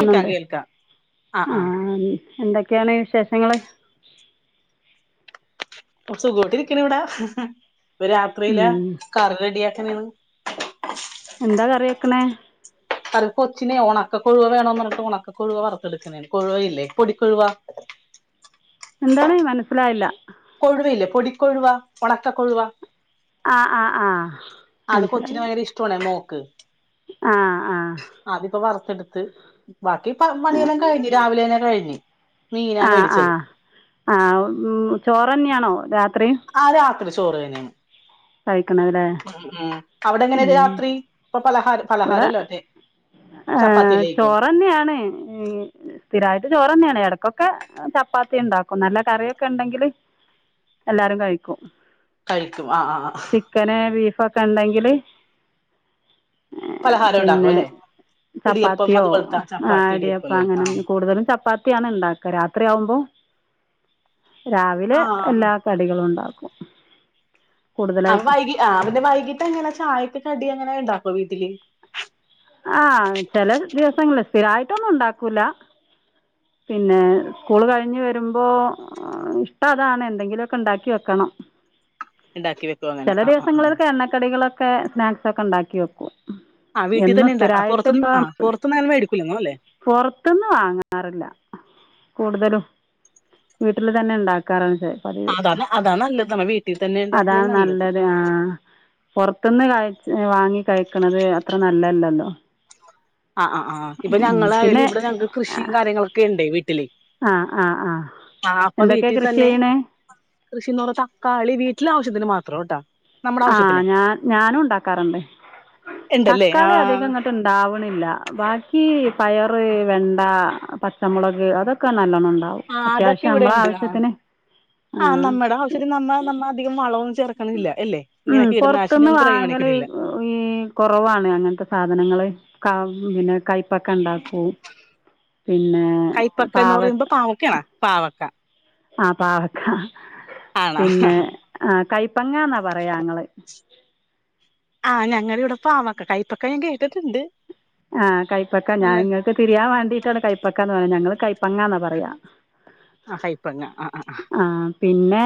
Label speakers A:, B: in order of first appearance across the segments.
A: കേൾക്കാം കേൾക്കാം
B: ആഹ് എന്തൊക്കെയാണ് വിശേഷങ്ങള്
A: സുഖായിട്ടിരിക്കണ് ഇവിടെ ഇപ്പ രാത്രിയിലെ
B: ഉം.
A: കറി റെഡിയാക്കണയാണ്
B: എന്താ കറി വെക്കണേ
A: അത് കൊച്ചിനെ ഒണക്ക കൊഴുവ വേണോന്ന് പറഞ്ഞിട്ട് ഒണക്ക കൊഴുവ വറുത്തെടുക്കണയാണ് കൊഴുവയില്ലേ പൊടിക്കൊഴുവ
B: എന്താണ് മനസ്സിലായില്ല
A: കൊഴുവയില്ലേ പൊടി കൊഴുവ ഒണക്ക കൊഴുവ
B: ആഹ് ആഹ് ആഹ്
A: അത് കൊച്ചിന് ഭയങ്കര ഇഷ്ടവാണെ മോക്ക്
B: ആഹ് ആഹ്
A: അതിപ്പോ വറുത്തെടുത്ത് ബാക്കി പ പണിയെല്ലാം കഴിഞ്ഞ് രാവിലെ തന്നെ കഴിഞ്ഞ് മീനാ മേടിച്ചത്
B: ആഹ് ചോറ് തന്നെ ആണോ രാത്രി
A: ആഹ് രാത്രി ചോറ് തന്നെയാണ്
B: കഴിക്കുന്നത് അല്ലേ
A: ഉം ഉം അവിടെ എങ്ങനെ രാത്രി ഇപ്പൊ പലഹാരം പലഹാരം [unintelligible]
B: ആഹ് ചോറ് തന്നെയാണ് സ്ഥിരവായിട്ട് ചോറ് തന്നെയാണ് ഇടക്കൊക്കെ ചപ്പാത്തി ഉണ്ടാക്കും നല്ല കറിയൊക്കെ ഉണ്ടെങ്കില് എല്ലാരും കഴിക്കും
A: കഴിക്കും ആഹ് ആഹ് ആഹ്
B: ചിക്കന് ബീഫൊക്കെ ഉണ്ടെങ്കില്
A: പലഹാരം ഉണ്ടാക്കും
B: പിന്നെ
A: അല്ലെ ഇടിയപ്പം
B: ചപ്പാത്തിയോ
A: അതുപോലത്തെ
B: ആ
A: ചപ്പാത്തി
B: ഇടിയപ്പവൊ
A: ഇടിയപ്പല്ലേ ആ
B: അങ്ങനെ എ കൂടുതലും ചപ്പാത്തിയാണ് ഉണ്ടാക്കുക രാത്രി ആവുമ്പോ രാവിലെ
A: ആഹ്
B: എല്ലാ കടികളുണ്ടാക്കും
A: അപ്പൊ വൈകി ആ പിന്നെ വൈകിട്ട് എങ്ങനെ ചായക്ക് കടി എങ്ങനെ ഉണ്ടാക്കുവോ വീട്ടില്
B: ആഹ് ചില ദിവസങ്ങളിൽ സ്ഥിരമായിട്ടൊന്നും ഉണ്ടാക്കൂല പിന്നെ സ്കൂള് കഴിഞ്ഞ് വരുമ്പോ ആഹ് ഇപ്പ അതാണ് എന്തെങ്കിലും ഒക്കെ ഉണ്ടാക്കി വെക്കണം
A: ഉണ്ടാക്കി വെക്കും അങ്ങനെ
B: ചെല
A: ആ ആ ആ
B: ദിവസങ്ങളിലൊക്കെ എണ്ണക്കടികളൊക്കെ സ്നാക്സൊക്കെ ഉണ്ടാക്കി വെക്കും
A: ആഹ് വീട്ടിൽ
B: എന്നും
A: തന്നെ ഉണ്ടാക്കണെ
B: സ്ഥിരമായിട്ട്
A: പൊറത്തുന്ന് ആ പൊറത്തൂന്ന് അങ്ങനെ മേടിക്കൂല്ലന്ന് തോന്നുന്നു അല്ലേ.
B: പൊറത്തിന്ന് വാങ്ങാറില്ല കൂടുതലും വീട്ടില് തന്നെ ഉണ്ടാക്കാറുണ്ട് പതിവ്
A: അതാണ് അതാ നല്ലത് നമ്മ വീട്ടിൽ തന്നെ
B: അതാ
A: ഉണ്ടാക്കണേ
B: നല്ലത് ആഹ് പൊറത്തിന്ന് കഴി വാങ്ങി കഴിക്കണത് അത്ര നല്ലതല്ലല്ലോ
A: ആഹ് ആഹ് ആഹ് ഇപ്പൊ
B: ഉം ഉം. പിന്നെ
A: ഞങ്ങളായാലും ഇവിടെ ഞങ്ങക്ക് കൃഷിയും കാര്യങ്ങളൊക്കെ ഉണ്ടേ വീട്ടില്
B: ആഹ് ആഹ് ആഹ് എന്തൊക്കെയാ കൃഷി ചെയ്യണേ
A: കൃഷിന്നർഞ്ഞാ തക്കാളി വീട്ടില് ആവിശ്യത്തിന് മാത്രാേട്ടാ.
B: ആഹ്. ഞാൻ ഞാനും ഇണ്ടാക്കാറുണ്ട്.
A: ഉണ്ടല്ലേ ആ
B: തക്കാളി അധികം ങ്ങ ഇട്ട് ഇണ്ടാവ്ണില്ല. ബാക്കീ, പയറ്, വെണ്ട, പച്ചമുളക്, അതൊക്കെ നല്ലോണ്ണം ഇണ്ടാവും.
A: ആഹ് അതൊക്കെ ഇവിടെ ഇണ്ട്. ആഹ് ആ നമ്മടെ ആവി തിരി നമ്മൾ നമ്മളധികം വള ഒന്നും ചേർക്ക്ണില്ല എല്ലെ.
B: ഉം
A: ഇങ്ങനെ കീടനാശിനി
B: പുറത്തുനിന്ന്
A: ഒന്നും
B: വാങ്ങല്
A: പ്രയോണിക്ക്ണില്ല.
B: ഈ കൊറവാണ് അങ്ങൻത്തെ സാധനങ്ങള്. കാ കയ്പക്ക ഇണ്ടാക്കും. ഉം പിന്നെ, പാവക്
A: ആഹ് ഓക്കേണ്. പാവക്ക.
B: ആഹ് പാവക്ക,
A: ആണാ
B: പിന്നെ, ആഹ് കൈപ്പങ്ങാന്നാ പറയാ ഞങ്ങള്.
A: ആഹ്. ഞങ്ങളിവടെ പാവക്ക, കൈപ്പക്ക ഞാൻ കേട്ടിട്ട്ണ്ട്.
B: ആഹ് കൈപ്പക്ക. ഞാന് ഇങ്ങക്ക് തിരിയാൻ വേണ്ടീട്ടാണ് കൈപ്പക്കാന്ന് പറഞ്ഞ്. ഞങ്ങള് കൈപ്പങ്ങാന്നാ പറയ. പറയാ.
A: ആ കൈപ്പങ്ങ അ ആ ആഹ്.
B: ആഹ്. പിന്നെ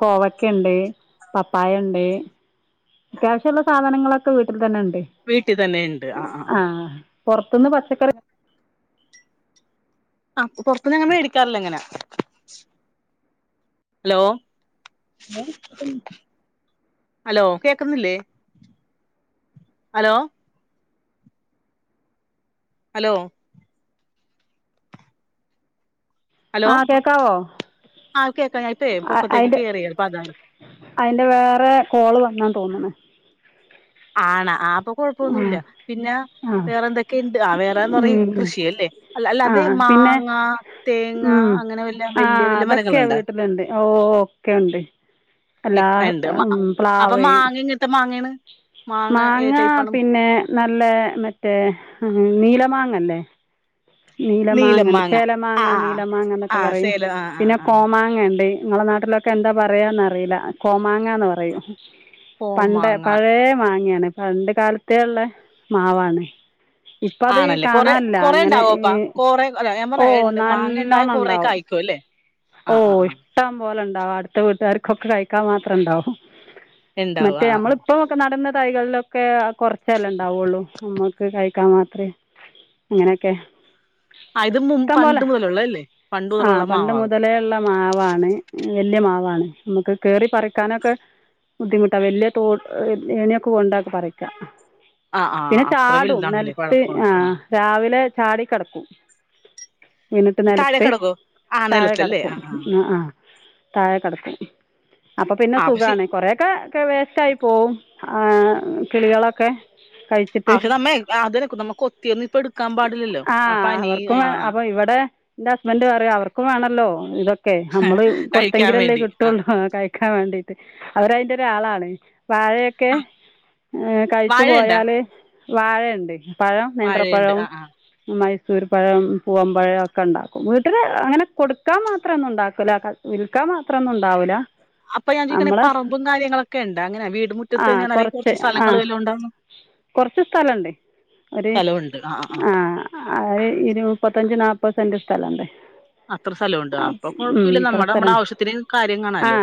B: കോവക്കണ്ട്, പപ്പായണ്ട്. അത്യാവശ്യള്ള സാധനങ്ങളൊക്കെ വീട്ടിൽ തെന്നെ ഇണ്ട്.
A: വീട്ടി തന്നെ ഇണ്ട് അ ആഹ്.
B: പെർത്ത്ന്ന് പച്ചക്കറി
A: അഹ് പെർത്ത്ന്ന് ഞങ്ങ മേടിക്കാറില്ലാ അങ്ങനാ, ലോ? ഹലോ. കേക്കുന്നില്ലെ. ഹലോ? ഹലോ? ഹലോ.
B: ആ കേൾക്കാവോ
A: ആ കേൾക്കാം. ഞാ ഇപ്പെ
B: അ
A: പൊക്കത്തേക്ക്
B: അയിന്റെ
A: കേറിയപ്പതാ.
B: അയിന്റെ വേറെ കോള് വന്നാന്ന് തോന്ന്ണ്.
A: ആണ് ആപ്.
B: ആ
A: കൊഴപ്പൊന്നുല്ല, പിന്നെ
B: ആ
A: വേറെ എന്തൊക്കേണ്ട്. ആ വേറെന്ന് പറഞാ ഈ
B: ഉം
A: കൃഷിയല്ലേ. അല്ല അല്ല.
B: ആ
A: അതെ.
B: പിന്നെ
A: മാങ്ങ, തേങ്ങ
B: ഉം
A: അങ്ങനെ വല്ല
B: ആ
A: വല്യ വല്യയ
B: അതൊക്കെ
A: മരങ്ങള്ണ്ടാ.
B: വീട്ടിലുണ്ട് ഒക്കെ യുണ്ട്. അല്ലാ
A: മ- അപ്പൊ
B: പ്ലാവെ,
A: മാങ്ങ എങ്ങനത്തെ മാങ്ങയാണ് മാങ്ങ ഏ
B: മാങ്ങാ
A: ടൈപ്പാണ്
B: പിന്നെ. നല്ല മറ്റേ നീലമാങ്ങല്ലെ.
A: നീലം
B: നീലമാങ്ങണ്ട്.
A: മാങ്ങ ആ
B: ചേലമാങ്ങ
A: ആ ആ
B: നീലമാങ്ങ
A: ആ
B: ന്നൊക്കെ പറയും.
A: സേലം ആ ആ
B: പിന്നെ
A: ആ
B: കോമാങ്ങ. ങ്ങണ്ടെയ്. ഇങ്ങളെ നാട്ടിലൊക്കെ എന്താ പറയാന്നറീല്ല. കോമാങ്ങാന്ന് പറയും. പണ്ട്
A: കോമാങ്ങ
B: പഴെ മാങ്ങ്യാണ്. പണ്ട് കാലത്തേ ഇള്ള മാവാണ്. ഇപ്പത്
A: ആണല്ലേ കൊറെ
B: കാണാല്ല.
A: കൊറെ
B: അങ്ങനെ.
A: ഉണ്ടാവോപ്പാ
B: ഏഹ്.
A: കൊറെ അല്ല ഞാൻ
B: ഓ
A: പറഞ്ഞ മാങ്ങ ഉണ്ടായ
B: നല്ലോണം
A: കൊറെ
B: ഇണ്ടാവും.
A: കായ്ക്കും അല്ലേ ആ ആ
B: ഓയ്.
A: ആ
B: ഇഷ്ട്ടം പോലെ ഇണ്ടാവും. അട്ത്ത വീട്ടാർക്കൊക്കെ കഴിക്കാൻ മാത്രം ഇണ്ടാവും.
A: ഉണ്ടാവും
B: മറ്റേ
A: ആ ആ
B: നമ്മള്
A: ആ
B: ഇപ്പം. ഇപ്പ നടുന്ന തൈകളിലൊക്കെ കൊറച്ചല്ലെ ഇണ്ടാവൊള്ളു. നമ്മക്ക് കഴിക്കാൻ മാത്രെ. അങ്ങനെക്കെ.
A: ആ ഇത് മും പണ്ട് മുതലുള്ള അല്ലെ. പണ്ട് മുതലുള്ള മാവാണ്.
B: ഇള്ള മാവാണ്. വെല്യ മാവാണ്. നമുക്ക് കേറി പറിക്കാനൊക്കെ ബുദ്ധിമുട്ട. വെല്ല്യ തോ ഏണ്യാെക്കെ കൊണ്ടാക് പറിക്ക
A: ആഹ് ആഹ്
B: പിന്നെ
A: അത്ര
B: ചാടും.
A: വലുതാണല്ലേ
B: നെലത്ത്
A: പഴക്കമുണ്ട്
B: ആഹ് രാവിലെ ചാടി കടക്കും. വീണിട്ട്
A: താഴെ
B: നെലത്ത്
A: കിടക്കോ ആഹ്
B: താഴെ
A: നിലത്തല്ലേ
B: കെടക്കും. ആഹ് ആ. താഴെ കെടക്കും. അപ്പൊ പിന്നെ
A: ആഹ് പക്ഷെ
B: സുഖാണ്. കൊറേക്കെ ഒക്കെ വേസ്റ്റായി പോവും. ആഹ് കിളികളൊക്കെ കഴി
A: അഹ്. നമ്മെ അത്ന് നമ്മെ കൊത്തിയൊന്നും ഇപ്പ എടുക്കാ പാടില്ലല്ലോ. ആ പനി ആഹ്.
B: ഇപ്പ ഇവടെ - ഇന്റെ ഹസ്ബൻന്റ് പറയും അവർക്കും വേണല്ലോ ഇതൊക്കെ നമ്മള്
A: കഴിക്കാൻ
B: കൊടുത്തെങ്കിലല്ലേ
A: വേണ്ടി ആഹ്
B: കിട്ടുള്ളൂ കഴി ക്കാം വേണ്ടീട്ട് അവര് അയിന്റ ഒരാളാണ് വാഴ- ഒക്കെ
A: ആഹ്
B: കഴിച്ചു
A: വാഴയുണ്ടാ
B: പോയാല് വാഴയുണ്ട് പഴം
A: വാഴയുണ്ട്
B: നേന്ത്രപ്പഴം
A: ആഹ് ആഹ്
B: മൈസൂര് പഴം പൂവംമ്പഴക്കെ ഇണ്ടാക്കും വീട്ടില് അങ്ങനെ കൊടുക്കാൻ മാത്രൊന്നു ഉണ്ടാക്കൂല - വിൽക്കാൻ മാത്രം ഒന്നും ഉണ്ടാവില്ല
A: അപ്പൊ ഞാൻ ചോയിക്കണേ
B: നമ്മൾ
A: പറമ്പും കാര്യങ്ങളൊക്കെണ്ടൊ അങ്ങനെ വീട് മുറ്റത്തന്നെയാണൊ അല്ലങ്കി കൊറച്ച് സ്ഥലങ്ങള് വല്ലൊം ഉണ്ടോന്ന്
B: കൊറച്ച് സ്ഥലവുണ്ട് ഒര് -
A: സ്ഥലമുണ്ട് ആഹ് ആഹ് ആഹ്
B: ആഹ് ഇരു മുപ്പത്തഞ്ച് നാപ്പത് സെന്റ് സ്ഥലവുണ്ട്
A: അത്ര സ്ഥലുണ്ട് അപ്പൊ കൊഴപ്പുല്ല നമ്മുടെ നമ്മുളെ
B: സ്ഥലം
A: ആവശ്യത്തിന് കാര്യം
B: ആ
A: കാണല്ലോ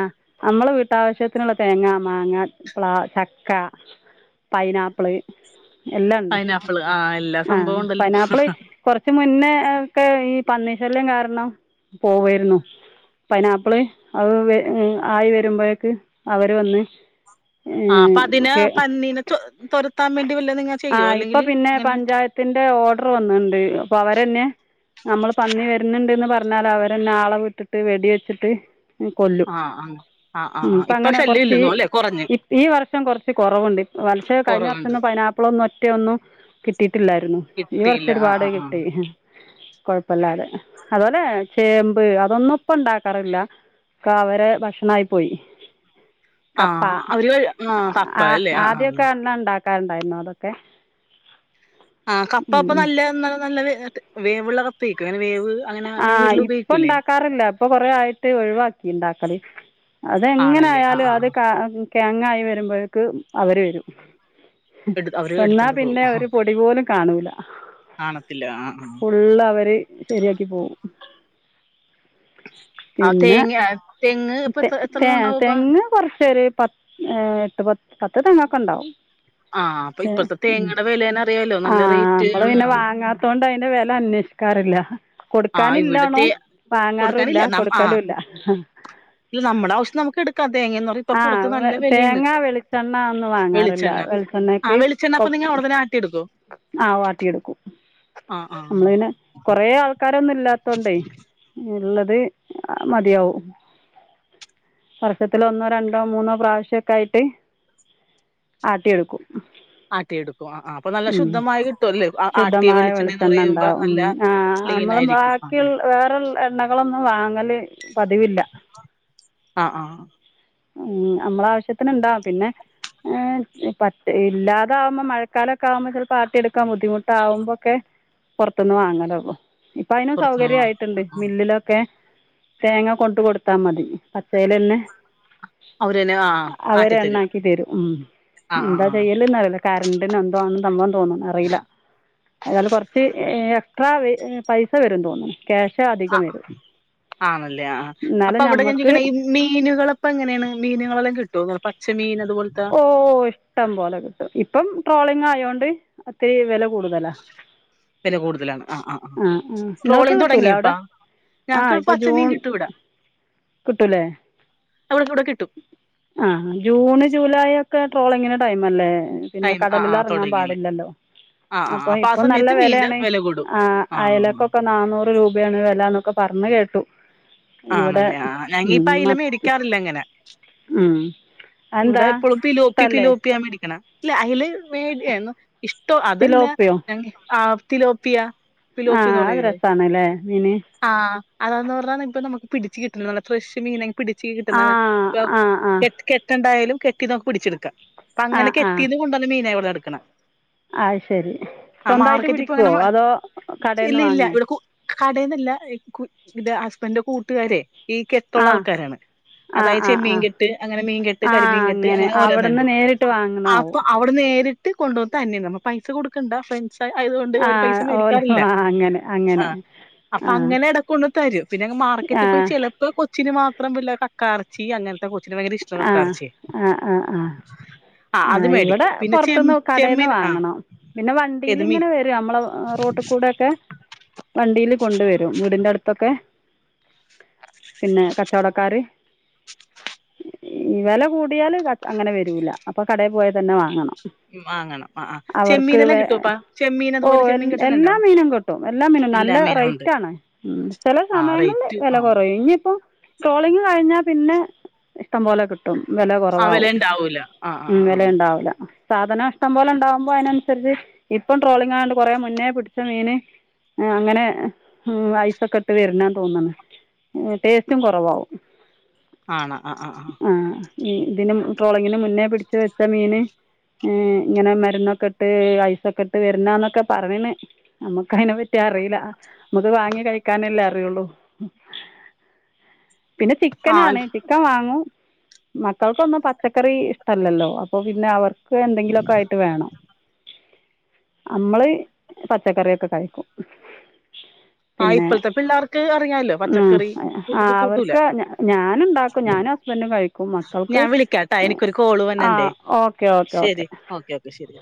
B: നമ്മളെ വീട്ടാവശ്യത്തിനുള്ള തേങ്ങ മാങ്ങ പ്ലാ ചക്ക പൈനാപ്പിള്
A: പൈനാപ്പിള് ആഹ് എല്ലാ
B: ആഹ്
A: സംഭവം ഉണ്ടല്ലോ
B: പൈനാപ്പിള് - കൊറച്ച് മുന്നേ ഒക്കെ ഈ പന്നിശല്യം കാരണം പോവായിരുന്നു പൈനാപ്പിള് അ ആയി വരുമ്പഴേക്ക് അവര് വന്ന് -
A: ആഹ് അപ്പ അതിനെ പന്നിനെ തൊ തൊരത്താൻ വേണ്ടി വല്ലതും ഇങ്ങനെ ചെയ്യോ അല്ലെങ്കില് ഇങ്ങനെ -
B: ത്തിന്റെ ഓർഡർ വന്ന് ഇണ്ട് അപ്പൊ അവര് തന്നെ - നമ്മള് പന്നി വര്ന്നുണ്ട്ന്ന് പറഞ്ഞാല് അവര് തന്നെ ആളെ വിട്ടിട്ട് വെടി വെച്ചിട്ട് - കൊല്ലും
A: ആഹ് ആഹ് ആഹ് ആഹ് ആഹ്
B: ഇപ്പം
A: ഇപ്പൊ
B: അങ്ങനെ
A: ശല്യം
B: കൊറച്ച്
A: ഇല്ലെന്നോ
B: -
A: അല്ലെ കുറഞ്ഞ്
B: ഇ ഈ വർഷം കൊറച്ച് കൊറവ് ഇണ്ട് പക്ഷെ കഴിഞ്ഞ വർഷ
A: കുറവുണ്ട്
B: ഒന്നും പൈനാപ്പിളൊന്നും ഒറ്റയൊന്നും കിട്ടിയി ല്ലായ്രുന്നു ഈ
A: കിട്ടിയില്ല
B: വർഷം
A: ആഹ്
B: ഒരുപാട്
A: ആഹ്
B: കിട്ടി കൊഴപ്പല്ലാതെ അതുപോലെ ചേമ്പ് അതൊന്നും ഇപ്പണ്ടാക്കാറില്ല ഒക്ക അവരെ ഭക്ഷണായി പോയി
A: ആഹ്
B: കപ്പ
A: ആഹ് അവര് ആഹ് കപ്പ
B: ആ
A: അല്ലേ ആഹ് ആഹ്
B: ആദ്യൊക്കെ നല്ലോം ഇണ്ടാക്കാറുണ്ടായിരുന്നു അതൊക്കെ -
A: ആഹ് കപ്പ അപ്പ
B: ഉം
A: നല്ല നല്ല വേവുള്ള കപ്പ ആയിരിക്കും അങ്ങനെ വേവ് -
B: ആഹ് ഇപ്പം ഇണ്ടാക്കാറില്ല ഇപ്പ കൊറേ ആയിട്ട് ഒഴിവാക്കി ഇണ്ടാക്കല്
A: ആണല്ലേ
B: അതെങ്ങനൊയാലും
A: ആഹ്
B: അത്
A: ആഹ്
B: കാ - കെഴങ്ങായി വരുമ്പഴേക്ക് അവര് വരും
A: എടു അവര്
B: വന്നാ
A: എടുത്തോണ്ട്
B: പിന്നെ
A: പോകും
B: ഒരു പൊടി പോലും കാണൂല
A: അ [unintelligible] കില്ലാ ആഹ്
B: ഫുള്ള് അവര് - ശരിയാക്കി പോവും
A: ആഹ്
B: പിന്നെ
A: തേങ്ങ ആ, തെങ്ങ് ഇപ്പൊ എത്ര
B: തെ
A: എത്രണ്ണം ഉണ്ടാവുംപ്പ
B: തെങ്ങ് കൊറച്ച് ഒരു - പത്ത് ഏ എട്ട് പത്ത് പത്ത് തെങ്ങ് ഒക്കെണ്ടാവും
A: ആഹ് അപ്പൊ ഇപ്പഴത്തെ
B: ഉം
A: തേങ്ങയുടെ വിലേന അറിയാലോ നല്ല
B: ആഹ്
A: റേറ്റ്
B: അമ്മള്
A: ആണ്
B: പിന്നെ വാങ്ങാ ത്തോണ്ട് അയിന്റെ വെല അന്വേഷിക്കാറില്ല
A: ആഹ് ഇവിടത്തെ
B: കൊടുക്കാനില്ലാണും വാങ്ങാ
A: കൊടുക്കാനില്ല നം ആഹ് നമ്മളെ ആവശ്യം നമുക്ക് എടുക്കാം തേങ്ങ എന്ന് പറയും ഇപ്പ
B: ആ
A: പുറത്ത് നല്ല വെലയാണ്
B: തേങ്ങ വെളിച്ചെണ്ണ ഒന്നും വാങ്ങാറില്ല
A: വെളിച്ചെണ്ണ ആ
B: വെളിച്ചെണ്ണയ്ക്ക്
A: വെളിച്ചെണ്ണ ഇപ്പ നിങ്ങള് എവിടന്നാ - ആട്ടി എടുക്കൊ
B: ആഹ് ആട്ടിയെടുക്കും
A: ആഹ് ആഹ്
B: നമ്മള് തന്നെ കൊറേ ആൾക്കാരൊന്നും ഇല്ലാത്തോണ്ടേ. ഉള്ളത് മതിയാവും വർഷത്തിലൊന്നോ രണ്ടോ മൂന്നോ പ്രാവശ്യക്കയായിട്ട് ആട്ടിവെക്കും..
A: ആട്ടിയെടുക്കു ആ. ആം.. പ്പ നല്ല ശുദ്ധമായി കിട്ടുവല്ലേ. ആട്ടിയ
B: ശുദ്ധമായ
A: വെളിച്ചെണ്ണന്ന്
B: വെളിച്ചെണ്ണ
A: പറയുമ്പ. നല്ല ക്ലീനായിരിക്കും..
B: ക്കിൽ വേറെ എണ്ണകളൊന്നു വാങ്ങല് പതിവില്ല..
A: ആ ആ..
B: മ്ഹ് നമ്മളവശ്യത്തിന്ണ്ടാ പിന്നെ.. ഏ. പറ്റ് ഇല്ലാതാവുമ്പോ മഴക്കാലൊക്കവുമ്പോ ചെലപ്പോ ആട്ടിയെടുക്കാ ബുദ്ധിമുട്ടാവുമ്പോക്കെ.. പൊറത്ത്ന്ന് വാങ്ങലൊള്ളു പ്പഅയിനും
A: പുറത്തുന്ന് വാ
B: സൗകര്യയിട്ട്ണ്ട്
A: ആ ആ
B: മില്ലിലൊക്കെ.. തേങ്ങ കൊണ്ട് കൊടുത്താമതി പച്ചെലെന്നെ..
A: അവരന്നെ ആ ആ,
B: അ.
A: ആട്ടിത്തരും
B: അവരെണ്ണാക്കി തെരും.
A: ആ
B: മ്ഹ് എന്താ
A: ആ
B: ചെയ്യല്ന്നറില്ല.. എന്തിന് എന്തോണ് തന്ന് തോന്ന് അറീല കൊറച്ച്.. ട്രാ വെയ്. പൈസ വെരും തോന്ന്ണു ക്യാഷാട്.
A: ആ അ. ആണല്ലേ ആ.
B: എന്നാലും
A: അപ്പവടെ ഞാൻ
B: നമുക്ക്
A: ചോയിക്ണ് ഇമ്.. മീനുകളെപ്പങ്ങനെണ് മീനുകളെല്ലാം കിട്ടോ പച്ച മീന് അതുപോൽത്തെ..
B: ഓ. ഇഷ്ടം പോലെ കിട്ടും. ഇപ്പം ട്രോളിങ്ങായോണ്ട് അത്തരി വെല കൂട്തലാ..
A: വെല കൂടുതലാണ് ആ ആ.
B: നിങ്ങൾക്ക്
A: ട്രോളിങ്
B: കിട്ടില്ലേ അവിടെ
A: തൊടങ്ങിയപ്പാ..
B: ആ
A: ഞ്ഞാക്
B: ഇപ്പോൾ
A: പച്ചമീൻ
B: ജൂൺ
A: കിട്ടും ഇവടെ
B: കിട്ടില്ലേ
A: അവിടെക്കവിടെ കിട്ടും..
B: ആഹ്. ജൂണ് ജൂലായൊക്കെ ട്രോളിങ്ങിനെ ടൈംമല്ലേ.. പിന്നെ
A: ടൈം ആ ആ
B: കടലിലെറങ്ങാ
A: തുടങ്ങിയല്ലേ
B: പാടില്ലല്ലോ..
A: ആ ആ ആ.
B: അപ്പൊ
A: ആ
B: ഇപ്പ നല്ല
A: സമയത്ത് മീന്റെ
B: വെലയാണെ
A: വില കൂടും
B: ആ
A: ആ
B: അയലക്കൊക.. നാന്നൂറ് രൂപേണ് വെലന്നൊക്കെ പർണ്കേട്ടു..
A: ആ ആണല്ലേ ആ ഞങ്ങീപ്പ അയില മേടിക്കാറില്ലങ്ങനെ..
B: മ്മ്ഹ്..
A: ഇവിടെ എപ്പോളും പിലോപ്പി പിലോപ്പിയ മേടിക്ണെ ല്ല അയില മേട് എന്നു.. ഇഷ്ടോ അതല്ല.
B: തിലോപ്പിയോ
A: ആ തിലോപ്പിയ..
B: ആ
A: പ്പിലോപ്പിന്ന്
B: അത്
A: പറയുലേ..
B: രസമാണ് അല്ലേ മീൻ
A: ആഹ് അതാന്ന്പറഞ്ഞാ നമക്ക് പിടിച്ച് കിട്ട്ണതാണ് ഫ്രഷ് മീനെ.. പിടിച്ച്
B: ആ
A: കിട്ട്ണത്. പ്പ
B: ആ
A: കെട്ട് കെട്ട്.. കെണ്ടായാലും കെട്ടി നമുക്ക് പിടിച്ട്ക്കാ.
B: ആ ആ
A: പ്പങ്ങനെ കെട്ടീത് കൊണ്ടന്ന മീനാവിട്ന്നട്ക്ണെ..
B: ആഹ് ശെരി സ്വന്തായിട്ട്
A: മാർക്കറ്റ് ഇപ്പ അങ്ങനെ
B: പിടിക്കുവോ. അതോ കടേന്ന് വാങ്ങേ..
A: കടേന്നല്ല. ഈ കു ഹസ്ബൻഡന്റെ കൂട്ടുകാരെ.. ഈ കെട്ടുള്ള
B: ആ
A: ആൾക്കാരാണ്.
B: ആ
A: അതായ
B: ആ
A: ചെമ്മീൻ
B: ആ
A: കെട്ട്. അങ്ങനെ മീകെട്ട്..
B: ആ
A: കരിമീൻ കെട്ട് അങ്ങനെ
B: അവിടെ നിന്ന്
A: ഓരോന്ന്ണ്ട്.
B: നേരിട്ട്
A: അപ്പൊ
B: വാങ്ങുന്നതാവും
A: ആ.. അവിടെ നേരിട്ട് കൊണ്ടോന്ന് തന്നെയ നമ്മ പൈസ കൊടുക്കണ്ട. ഫ്രണ്ട്.. ൻഡ്സ് ആയത്കൊണ്ട്.
B: ആ
A: ഓര് പൈസ
B: ഓല
A: മേടികാറില്ല.
B: ആ അങ്ങനെ
A: ആ
B: അങ്ങനെ ആ
A: അപ്പങ്ങനെടക്കൊണ്ട് തരും പിന്നെ
B: ആ
A: മാർക്കറ്റിപോയി ചെലപ്പോ കൊച്ചിന് മാം.. [unintelligible] കക്കാറച്ചി അങ്ങൻത്തെ കൊച്ചിന് ഭയങ്കരഇഷ്ട്ടം..
B: ആ. ആ ആ ആ..
A: അത്
B: ആ ഇവിടെ
A: മേടിക്കും പിന്നെ ചെ
B: പൊറത്തുന്ന് കടേന്ന്
A: ചെമ്മീൻ ആ
B: വാങ്ങണം.. പിന്നെ
A: ഏത് മീ
B: വണ്ടീല്ങ്ങനെ വെരും നമ്മളെ റോട്ട്കൂടൊക്കെ.. വണ്ടീല് കൊണ്ട് വരും വീടിന്റെ അടുത്തൊക്കെ.. പിന്നെ കച്ചോടക്കാര്.. ഈ വെല കൂടിയാല് അങ്ങനെ വെരൂല. അപ്പൊ കടേ പോയ തന്നെ വാങ്ങണം..
A: മ്മ്. മാങ്ങണം ആ
B: അവർക്ക്
A: ചെമ്മീനെല്ലാം കിട്ടോപ്പ ചെമ്മീൻ അത്പോലെ ചെമ്മീ കെട്ടന്ന് ണ്ടോ..
B: ട്ടും എല്ലാം മീനും നല്ല റൈറ്റാണ് ഉം ചെലേ
A: ആ
B: സമയങ്ങളില്
A: റേറ്റ്
B: വെല
A: ആ
B: കൊറയും ഇഞ്ഞിപ്പോ ട്രോളിങ്ങുകഴിഞ്ഞാ പിന്നെ ഇഷ്ടംപോലെ കിട്ടും വെല കൊറവാവും.
A: ആവൂല ആ ആ
B: ഉം
A: ആ ആ
B: വെലയൊണ്ടാവൂല സാധനം ഇഷ്ടം പോലെയൊണ്ടാകുമ്പോ അയിനനുസരിച്ച് ഇപ്പം ട്രോളിങ്ങായോണ്ട് കൊറേ മുന്നേ പിടിച്ച മീനെ ഏ അങ്ങനെ ഉം ഐസൊക്കെയിട്ട് വരണാന്ന് തോന്നണ്. എ ടേസ്റ്റും കൊറവാവും
A: ആണോ ആ ആ ആ
B: ആഹ് ഇതിനും ട്രോളിങ്ങിനു മുന്നേ പിടിച്ചുവെച്ച മീന് ഏ ഇങ്ങനെ മരുന്നൊക്കിട്ട് ഐസൊക്കിട്ട് വരുന്നാന്നൊക്കെ പറേണ്. നമ്മക്കയ്നെപറ്റി അറീല്ല നമ്മക്ക് വാങ്ങി കഴിക്കാനല്ലേ അറിയോള്ളൂ
A: [inaudible]
B: പിന്നെ
A: ആ
B: ചിക്കനാണേ ചിക്കൻവാങ്ങും മക്കക്കൊന്നും പച്ചക്കറി ഇഷ്ടല്ലല്ലോ അപ്പൊ പിന്നെ അവർക്ക് എന്തെങ്കിലൊക്കായിട്ട് വേണം. അമ്മള് പച്ചക്കറിയൊക്കെ കഴിക്കും.
A: ആ
B: പിന്നെ
A: ഇപ്പോഴത്തെ പിള്ളേർക്ക് അറിയാലോ
B: ഉം
A: പച്ചക്കറി
B: ആ
A: കൂട്ട കൂട്ടൂല
B: അവർക്ക് ഞ ഞാനൊണ്ടാക്കും ഞാനും ഹസ്ബെന്റും കഴി ക്കും മക്കൾക്ക്
A: ഞാൻ വിളിക്കാട്ടാ എനിക്കൊരു
B: ആ okay okay okay.
A: Okay okay ശെരി.